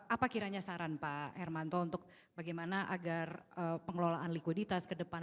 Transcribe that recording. apa kiranya saran pak hermanto untuk bagaimana agar pengelolaan likuiditas ke depan